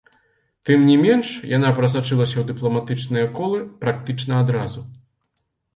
Тым не менш, яна прасачылася ў дыпламатычныя колы практычна адразу.